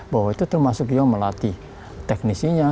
bahwa itu termasuk yang melatih teknisinya